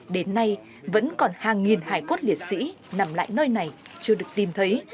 đến nay vẫn còn hàng nghìn hải cốt liệt sĩ nằm lại nơi này chưa được tìm thấy